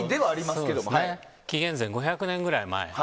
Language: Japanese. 紀元前５００年ぐらい前。